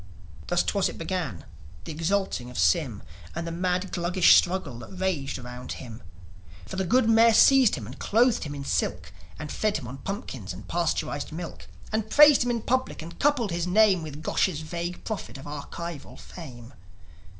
'Twas thus it began, the exalting of Sym, And the mad Gluggish struggle that raged around him. For the good Mayor seized him, and clothed him in silk, And fed him on pumpkins and pasteurised milk, And praised him in public, and coupled his name With Gosh's vague prophet of archival fame.